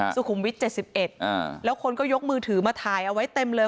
สุขุมวิท๗๑แล้วคนก็ยกมือถือมาถ่ายเอาไว้เต็มเลย